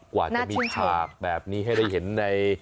กว่าจะมีฉากแบบนี้ให้ได้เห็นใน